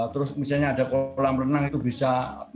terus misalnya ada kolam renang itu bisa